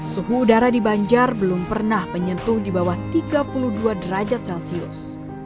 suhu udara di banjar belum pernah menyentuh di bawah tiga puluh dua derajat celcius